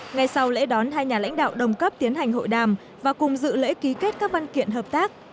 ngay sau lễ đón hai nhà lãnh đạo đồng cấp tiến hành hội đàm và cùng dự lễ ký kết các văn kiện hợp tác